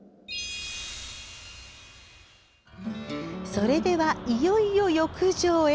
それではいよいよ、浴場へ。